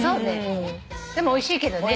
でもおいしいけどね。